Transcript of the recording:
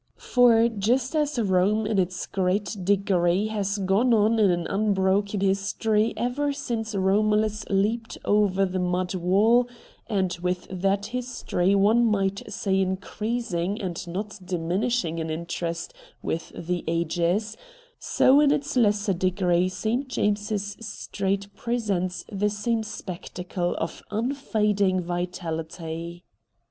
For just as Rome in its great degree has gone on in an unbroken history ever since Romulus leaped over the mud wall, and with that history one might say increasing and not diminishing in interest with the ages, so in its lesser degree St. James's Street presents the same spectacle of unfading vitahty.